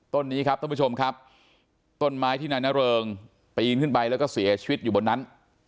ต้นนี้ครับท่านผู้ชมครับต้นไม้ที่นายนเริงปีนขึ้นไปแล้วก็เสียชีวิตอยู่บนนั้น